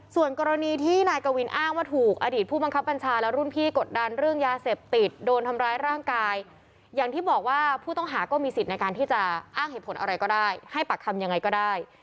ส่วนกรณีที่นายกวินอ้างว่าถูกอดีตผู้บังคับบัญชาและรุ่นพี่กดดันเรื่องยาเสพติดโดนทำร้ายร่างกายอย่างที่บอกว่าผู้ต้องหาก็มีสิทธิ์ในการที่จะอ้างเหตุผลอะไรก็ได้ให้ปากคำยังไงก็ได้